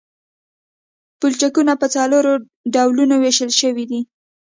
پلچکونه په څلورو ډولونو ویشل شوي دي